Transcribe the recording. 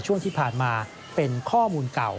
ช่วงที่ผ่านมาเป็นข้อมูลเก่า